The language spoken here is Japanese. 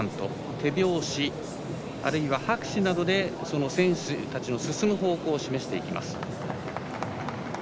手拍子、あるいは拍手などで選手たちの進む方向を示していきます。